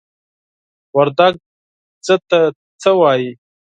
وردگ "ځه" ته "څَ" وايي.